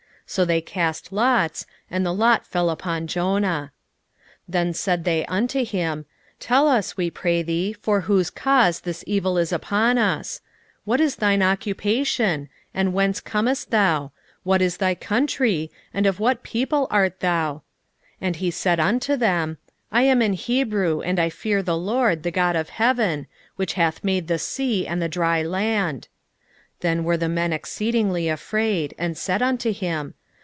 So they cast lots, and the lot fell upon Jonah. 1:8 Then said they unto him, Tell us, we pray thee, for whose cause this evil is upon us; What is thine occupation? and whence comest thou? what is thy country? and of what people art thou? 1:9 And he said unto them, I am an Hebrew; and I fear the LORD, the God of heaven, which hath made the sea and the dry land. 1:10 Then were the men exceedingly afraid, and said unto him.